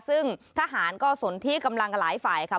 ซึ่งทหารก็สนที่กำลังกับหลายฝ่ายค่ะ